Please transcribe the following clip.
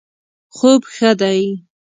خوب ښه دی